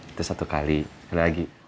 itu satu kali lagi